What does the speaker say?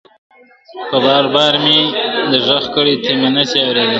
په بار بار مي در ږغ کړي ته مي نه سې اورېدلای !.